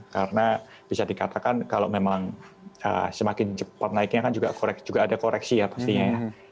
karena bisa dikatakan kalau memang semakin cepat naiknya kan juga ada koreksi ya pastinya